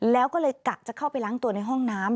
แล้วก็เลยกะจะเข้าไปล้างตัวในห้องน้ำ